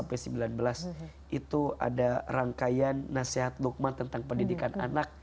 pada bagian nasihat luqman tentang pendidikan anak